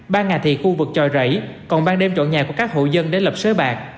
ban ngà thị khu vực tròi rẫy còn ban đêm chọn nhà của các hộ dân để lập xới bạc